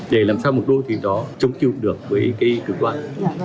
để làm sao một đô thị đó chống chịu được với cái cực đoan